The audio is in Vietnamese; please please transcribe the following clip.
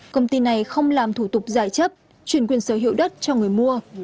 công ty này không làm thủ tục giải chấp chuyển quyền sở hữu đất cho người mua